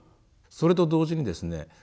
それと同時にですね